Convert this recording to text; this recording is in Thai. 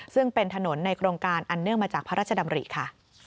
ซึ่งเป็นถนนในโครงการอันเนื่องมาจากพระราชดำริค่ะ